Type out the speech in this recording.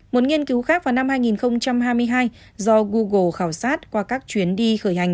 một nghiên cứu khác vào năm hai nghìn hai mươi hai do google khảo sát qua các chuyến đi khởi hành